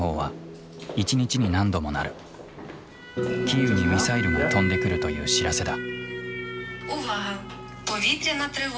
キーウにミサイルが飛んでくるという知らせだ。